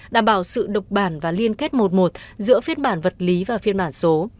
đảm bảo sự độc bản và liên kết một một giữa phiên bản vật lý và phiên bản số